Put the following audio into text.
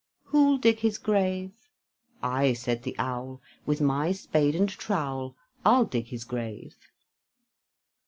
Who'll dig his grave? "I," said the Owl, "With my spade and trowel, I'll dig his grave."